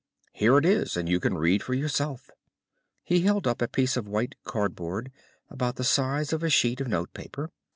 Here it is, and you can read for yourself." He held up a piece of white cardboard about the size of a sheet of note paper.